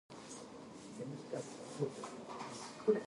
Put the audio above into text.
かつて、地球には極域に氷床が存在しない時期があった。